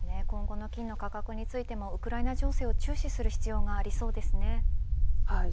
今後の金の価格についてもウクライナ情勢を注視する必要がありそうですね。